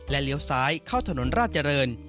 เลี้ยวซ้ายเข้าถนนราชเจริญ